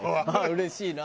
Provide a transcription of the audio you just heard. うれしいな。